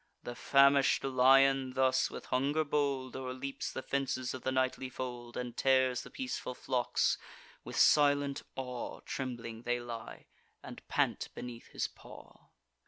The famish'd lion thus, with hunger bold, O'erleaps the fences of the nightly fold, And tears the peaceful flocks: with silent awe Trembling they lie, and pant beneath his paw.